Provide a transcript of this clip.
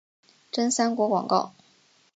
真三国广告。